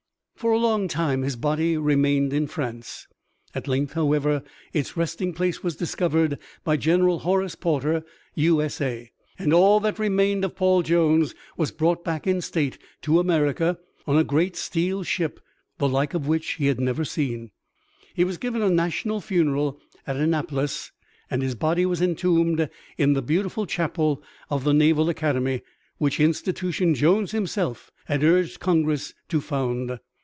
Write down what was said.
For a long time his body remained in France. At length, however, its resting place was discovered by General Horace Porter, U.S.A., and all that remained of Paul Jones was brought back in state to America on a great steel ship the like of which he had never seen. He was given a national funeral at Annapolis and his body was entombed in the beautiful Chapel of the Naval Academy, which institution Jones himself had urged Congress to found.